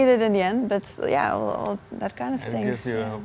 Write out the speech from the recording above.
saya tidak membutuhkannya pada akhirnya tapi ya semua hal itu